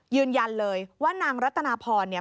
ยืนยันเลยว่านางรัตนาพรเนี่ย